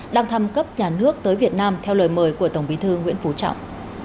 đang thăm cấp nhà nước tới việt nam theo lời mời của tổng bí thư nguyễn phú trọng